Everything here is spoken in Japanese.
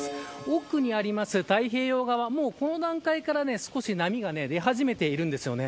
奥にある太平洋側この段階から少し波が出始めているんです。